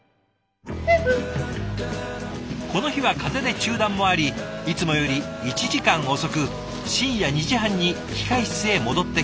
この日は風で中断もありいつもより１時間遅く深夜２時半に控え室へ戻ってきました。